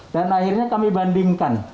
dan akhirnya kami bandingkan